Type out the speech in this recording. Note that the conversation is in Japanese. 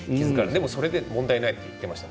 でも、それでも問題ないと言っていました。